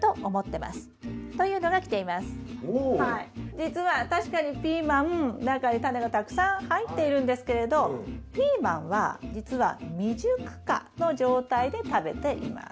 じつは確かにピーマン中にタネがたくさん入っているんですけれどピーマンはじつは未熟果の状態で食べています。